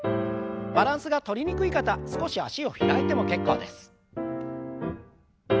バランスがとりにくい方少し脚を開いても結構です。